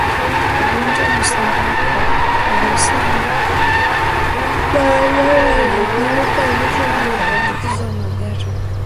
ugonjwa husambaa kwa kugusana na wanyama walioathirika vitu vilivyoambukizwa au magari